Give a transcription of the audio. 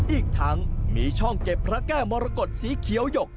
อีกทั้งมีช่องเก็บพระแก้มรกฏสีเขียวหยก